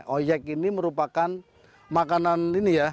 oyek ini merupakan makanan ini ya